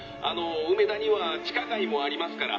梅田には地下街もありますから」。